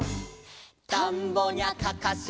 「たんぼにゃかかし」